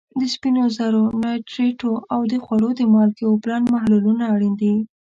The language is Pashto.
د سپینو زرو نایټریټو او د خوړو د مالګې اوبلن محلولونه اړین دي.